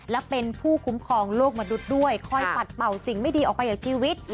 และเป็นผู้คุ้มครองโลกมนุษย์ด้วยคอยปัดเป่าสิ่งไม่ดีออกไปจากชีวิต